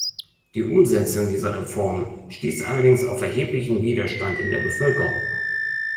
Die Umsetzung dieser Reform stieß allerdings auf erheblichen Widerstand in der Bevölkerung.